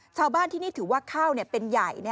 ชาวบ้านที่นี่ถือว่าข้าวเป็นใหญ่